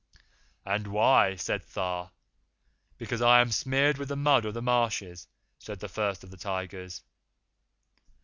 'And why?' said Tha. 'Because I am smeared with the mud of the marshes,' said the First of the Tigers.